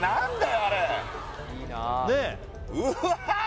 あれうわ